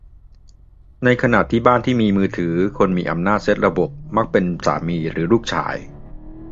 ในขณะที่บ้านที่มีมือถือ-คนมีอำนาจเซ็ตระบบมักเป็นสามีหรือลูกชาย